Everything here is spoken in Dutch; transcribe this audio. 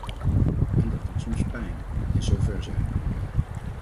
En dat doet soms pijn, en zover zijn we nu.